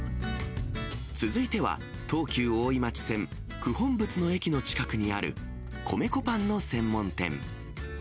続いては、東急大井町線九品仏の駅の近くにある米粉パンの専門店。